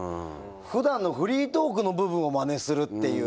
ふだんのフリートークの部分をマネするっていう。